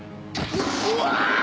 うわ！